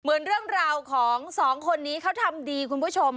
เหมือนเรื่องราวของสองคนนี้เขาทำดีคุณผู้ชม